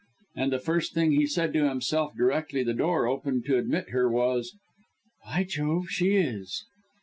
And the first thing he said to himself directly the door opened to admit her was, "By Jove! she is."